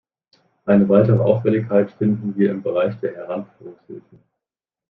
Eine weitere Auffälligkeit finden wir im Bereich der Heranführungshilfen.